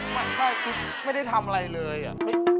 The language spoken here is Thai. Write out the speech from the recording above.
ไม่ไม่ได้ทำอะไรเลยอ่ะ